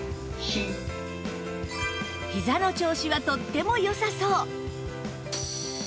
ひざの調子はとっても良さそう